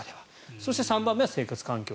そして３番目は生活環境。